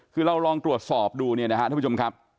คือเราลองตรวจสอบดูเนี่ยนะครับท่านผู้ชมครับ